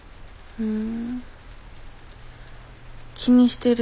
うん。